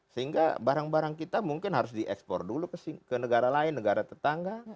sehingga barang barang kita mungkin harus diekspor dulu ke negara lain negara tetangga